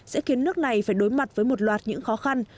sẽ khiến nước này phải đối mặt với một loạt những khó khăn